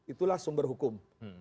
itulah sumber hukum